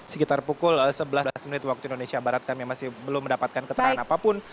sekitar pukul sebelas waktu indonesia barat kami masih belum mendapatkan keterangan apapun